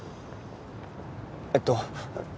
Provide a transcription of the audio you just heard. えっと。